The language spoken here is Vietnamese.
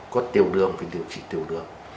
có tiểu đường phải điều trị tiểu đường